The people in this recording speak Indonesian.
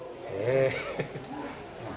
bukan sedih bu